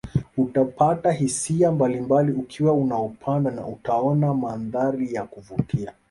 Utapata hisia mbalimbali ukiwa unaupanda na utaona mandhari ya kuvutia